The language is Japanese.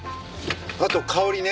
あと香りね。